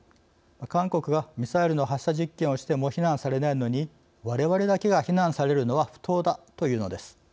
韓国がミサイルの発射実験をしても非難されないのにわれわれだけが非難されるのは不当だ」というのです。